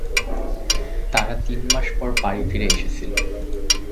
তারা তিন মাস পর বাড়ি ফিরে এসেছিল।